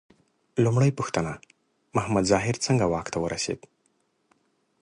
لومړۍ پوښتنه: محمد ظاهر څنګه واک ته ورسېد؟